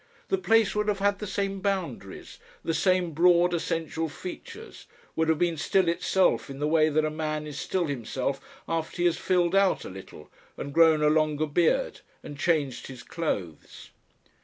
The place would have had the same boundaries, the same broad essential features, would have been still itself in the way that a man is still himself after he has "filled out" a little and grown a longer beard and changed his clothes.